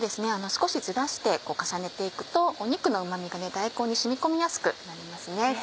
少しずらして重ねて行くと肉のうま味が大根に染み込みやすくなりますね。